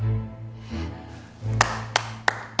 えっ。